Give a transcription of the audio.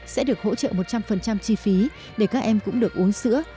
sẽ được hỗ trợ một trăm linh chi phí để các em cũng được uống sữa